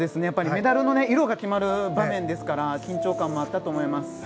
メダルの色が決まる場面ですから緊張感もあったと思います。